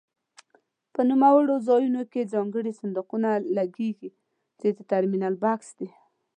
په نوموړو ځایونو کې ځانګړي صندوقونه لګېږي چې د ټرمینل بکس دی.